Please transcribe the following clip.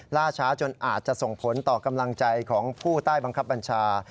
ล่าช้าจนอาจจะส่งผลต่อกำลังใจของผู้ใต้บังคับบัญชา